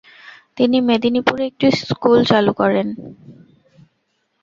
তিনি মেদেনীপুরে একটি স্কুল চালু করেন।